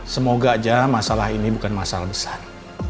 semoga aja masalah ini bukan masalah besar